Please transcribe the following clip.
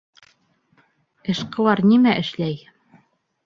Эшҡыуар нимә эшләй?